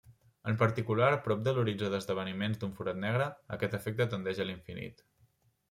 En particular, prop de l'horitzó d'esdeveniments d'un forat negre, aquest efecte tendeix a infinit.